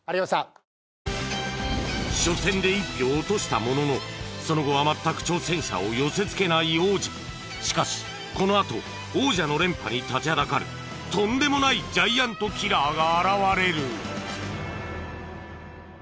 初戦で１票落としたもののその後は全く挑戦者を寄せ付けない王者しかしこのあと王者の連覇に立ちはだかるとんでもないジャイアントキラーが現れる！